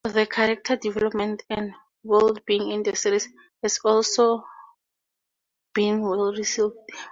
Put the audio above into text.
The character development and worldbuilding in the series has also been well received.